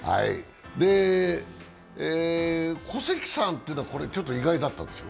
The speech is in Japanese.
古関さんは、ちょっと意外だったでしょ？